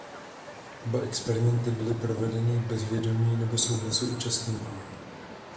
Oba experimenty byly provedeny bez vědomí nebo souhlasu účastníků.